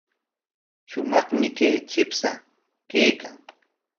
Shumaqmi kay chipsha kaykan.